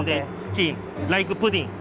dan kemudian seperti puding